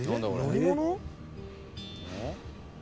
乗り物？